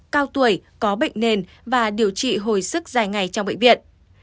cao tuổi có bệnh nền và điều trị hồi sức dài ngày trong bệnh viện